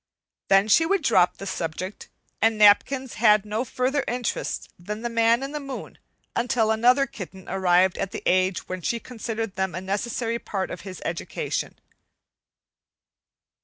Then she would drop the subject, and napkins had no further interest than the man in the moon until another kitten arrived at the age when she considered them a necessary part of his education.